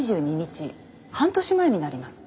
半年前になります。